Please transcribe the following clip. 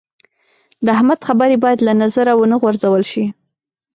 د احمد خبرې باید له نظره و نه غورځول شي.